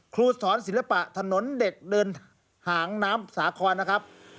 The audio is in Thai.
ครูสอนศิลปะถนนเด็กเดินหางน้ำสาครนะครับ